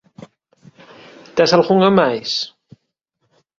Tes algunha máis?